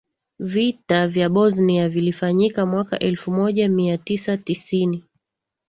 vita vya bosnia vilifanyika mwaka elfu moja mia tisa tisini